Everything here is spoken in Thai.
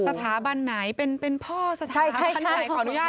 สถาบันไหนเป็นพ่อสถาบันไหนขออนุญาต